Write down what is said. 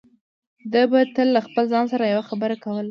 ده به تل له خپل ځان سره يوه خبره کوله.